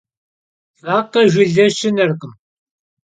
Vakhejılhe şşınerkhım.